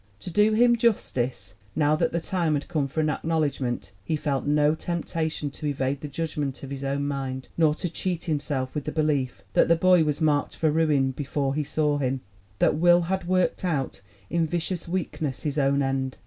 'To do him justice, now that the time had come for an acknowledgment, he felt no temptation to evade the judgment of his own mind, nor to cheat himself with the belief that the boy was marked for ruin before he saw him that Will had worked out, in vicious weakness, his own end.